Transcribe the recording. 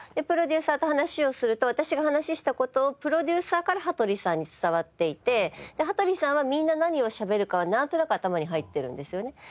プロデューサーと話をすると私が話をした事をプロデューサーから羽鳥さんに伝わっていて羽鳥さんはみんな何を喋るかはなんとなく頭に入ってるんですよね。